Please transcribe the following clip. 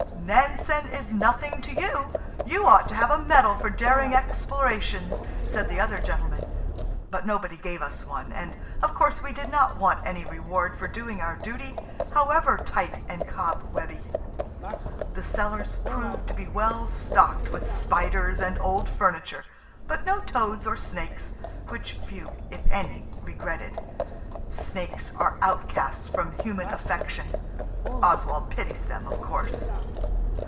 "Nansen is nothing to you! You ought to have a medal for daring explorations," said the other gentleman, but nobody gave us one, and, of course, we did not want any reward for doing our duty, however tight and cobwebby. The cellars proved to be well stocked with spiders and old furniture, but no toads or snakes, which few, if any, regretted. Snakes are outcasts from human affection. Oswald pities them, of course.